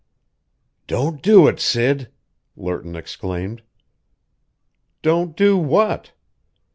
"Don't do it, Sid!" Lerton exclaimed. "Don't do what?"